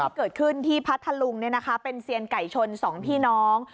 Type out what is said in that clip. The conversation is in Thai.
ที่เกิดขึ้นที่พัทธลุงเป็นเซียนไก่ชนสองพี่น้อง